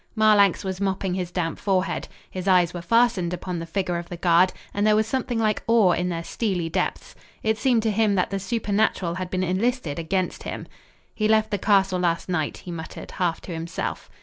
Marlanx was mopping his damp forehead. His eyes were fastened upon the figure of the guard, and there was something like awe in their steely depths. It seemed to him that the supernatural had been enlisted against him. "He left the castle last night," he muttered, half to himself.